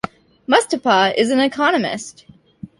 Mustapa is an economist.